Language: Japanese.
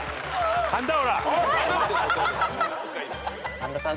神田さん